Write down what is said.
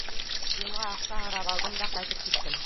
Юлға аҡса һорап алдым да ҡайтып киттем.